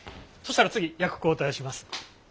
そしたら次役交代します。